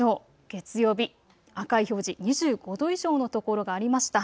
月曜日、赤い表示、２５度以上の所がありました。